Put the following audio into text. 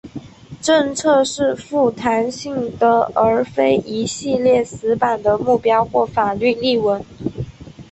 政策是富弹性的而非一系列死板的目标或法律例文。